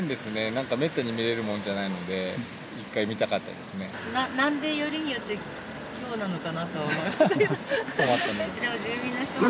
なんかめったに見れるものじゃないので、なんでよりによって、きょうなのかなとは思いましたけど。